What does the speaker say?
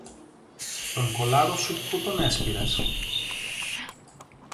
Τον κολάρο σου πού τον έσπειρες;